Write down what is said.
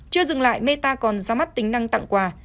chưa dừng lại meta còn ra mắt tính năng tặng quà